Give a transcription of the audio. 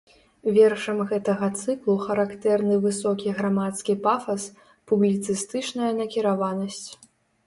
Вершам гэтага цыклу характэрны высокі грамадскі пафас, публіцыстычная накіраванасць.